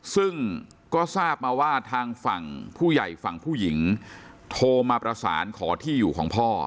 ซึ่งก็ทราบมาว่าทางฝั่งผู้ใหญ่ฝั่งผู้หญิงโทรมาประสานขอที่อยู่ของพ่อ